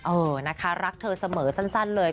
เออนะคะรักเธอเสมอสั้นเลย